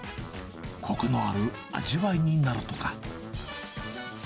こくのある味わいになるとか。